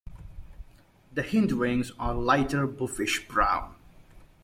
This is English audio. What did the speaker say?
The hindwings are lighter buffish brown.